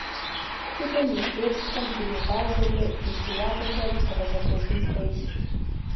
Тхыдэм и дерсхэм дригъуазэурэ ди щыуагъэхэр дгъэзэкӏуэжын хуейщ.